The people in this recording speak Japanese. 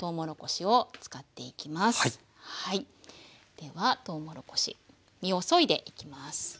ではとうもろこし実をそいでいきます。